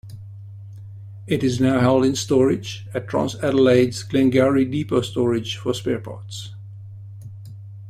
It is now held in storage at Transadelaide's Glengowrie depot storage for spare parts.